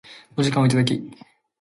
お時間をいただき